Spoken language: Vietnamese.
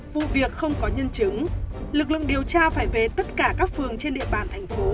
vụ việc không có nhân chứng lực lượng điều tra phải về tất cả các phường trên địa bàn thành phố